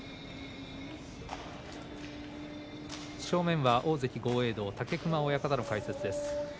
正面は大関豪栄道武隈親方の解説です。